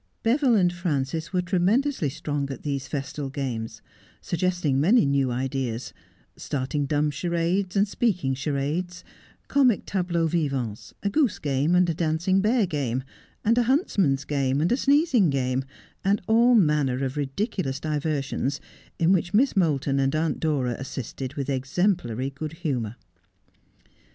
Beville and Frances were tremendously strong at these festal games, suggesting many new ideas, starting dumb charades, and speaking charades, comic tableaux vivants, a goose game, and a dancing bear game, and a huntsman's game, and a sneezing game, and all manner of ridiculous diversions, in which Miss Moulton and Aunt Dora assisted with exemplary good humour.